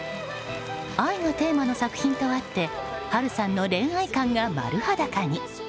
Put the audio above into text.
愛がテーマの作品とあって波瑠さんの恋愛観が丸裸に。